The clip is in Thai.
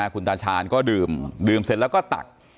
คุณตาชาญก็ดื่มเสร็จแล้วก็ตัก